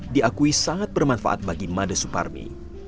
diakui sangat bermanfaat bagi made suparmi